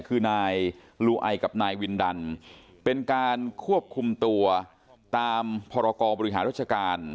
คือนายลูไอกับนายวินดันเป็นการควบคุมตัวตามพรกรบริหารราชการ